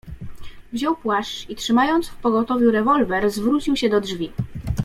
"Wziął płaszcz i trzymając w pogotowiu rewolwer, zwrócił się do drzwi."